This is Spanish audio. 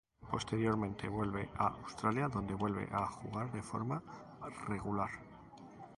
Posteriormente vuelve a Australia donde vuelve a jugar de forma regular.